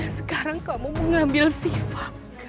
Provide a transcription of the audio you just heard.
dan sekarang kamu mengambil siva